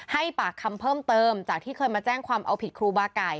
ให้ปากคำเพิ่มเติมจากที่เคยมาแจ้งความเอาผิดครูบาไก่